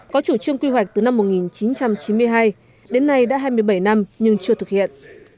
có chủ trương quy hoạch từ năm một nghìn chín trăm chín mươi hai đến nay đã hai mươi bảy năm nhưng chưa thực hiện